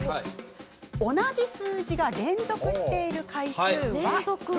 同じ数字が連続している回数は？